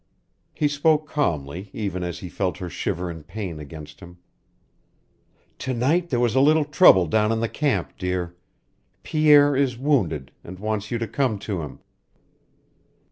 He spoke calmly, even as he felt her shiver in pain against him. "To night there was a little trouble down in the camp, dear. Pierre is wounded, and wants you to come to him.